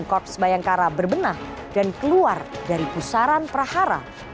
korps bayangkara berbenah dan keluar dari pusaran prahara